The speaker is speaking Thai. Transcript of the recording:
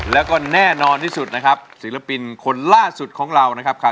แล้วก็แน่นอนที่สุดนะครับศิลปินคนล่าสุดของเรานะครับ